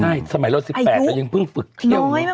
ใช่สมัยเรา๑๘เรายังเพิ่งฝึกเที่ยวอยู่